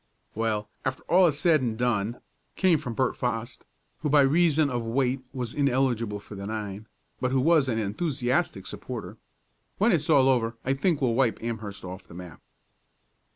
"Well, after all is said and done," came from Bert Fost, who by reason of weight was ineligible for the nine, but who was an enthusiastic supporter, "when it's all over, I think we'll wipe Amherst off the map."